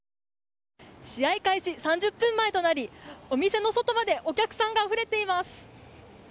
試合開始３０分前となりお店の外までお客さんがあふれています。